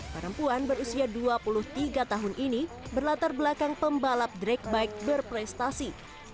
perempuan berusia dua puluh tiga tahun ini berlatar belakang pembalap drakebike berprestasi